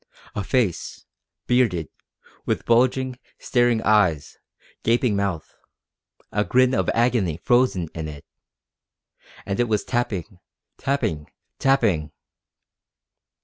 A face, bearded, with bulging, staring eyes, gaping mouth a grin of agony frozen in it! And it was tapping, tapping, tapping!